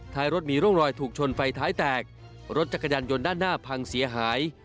ท้ายรถมีร่องรอยถูกชนไฟท้ายแตกรถจักรยานยนต์ด้านหน้าพังเสียหาย